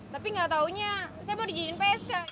tapi gak taunya saya mau di jadikan psk